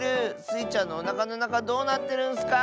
スイちゃんのおなかのなかどうなってるんスか！